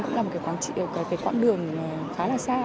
cũng là một quãng đường khá là xa